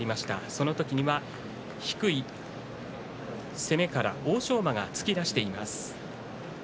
その時には低い攻めから欧勝馬が突き出しています。